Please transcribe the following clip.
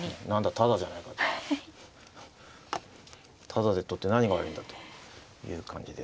タダで取って何が悪いんだという感じですね。